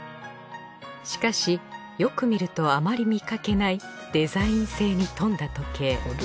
しかしよく見るとあまり見かけないデザイン性に富んだ時計